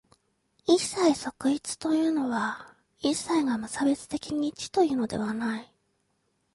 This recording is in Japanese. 一切即一というのは、一切が無差別的に一というのではない。